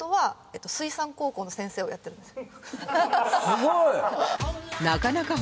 すごい！